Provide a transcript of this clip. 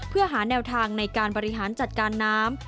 เพื่อหาแนวทางในการบริหารจัดการน้ำ